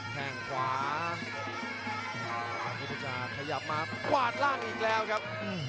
แค่งขวาพยายามจะขยับมากวาดล่างอีกแล้วครับ